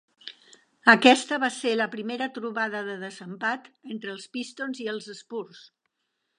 Aquesta va ser la primera trobada de desempat entre els Pistons i els Spurs.